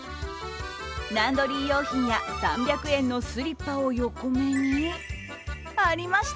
ランドリー用品や３００円のスリッパを横目にありました！